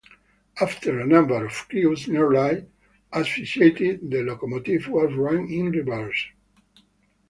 After a number of crews nearly asphyxiated, the locomotive was run in reverse.